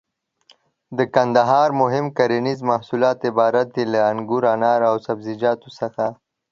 د کندهار مهم کرنيز محصولات عبارت دي له: انګور، انار او سبزيجاتو څخه.